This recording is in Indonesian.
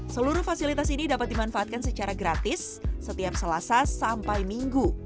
seluruh fasilitas ini dapat dimanfaatkan secara gratis setiap selasa sampai minggu